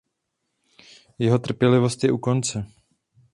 Jeho trpělivost je u konce.